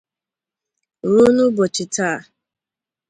ruo n'ụbọchị taa.